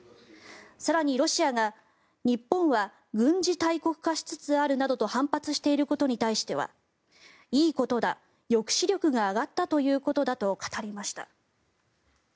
更に、ロシアが日本は軍事大国化しつつあるなどと反発していることに対してはいいことだ抑止力が上がったということだと語りました。